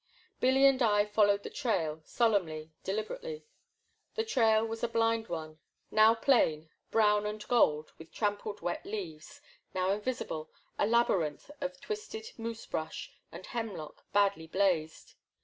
Billy and I followed the trail, solemnly, delib erately. The trail was a blind one, now plain, brown and gold with trampled wet leaves, now invisible, a labyrinth of twisted moose bush and hemlock, badly blazed.